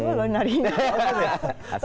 jangan keloh nariin